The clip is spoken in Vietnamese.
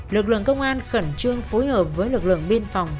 lực lượng công an khẩn trương phối hợp với lực lượng biên phòng